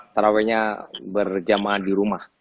terawihnya berjemaah di rumah